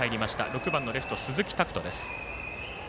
６番のレフト、鈴木拓斗です。